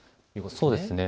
そうですね。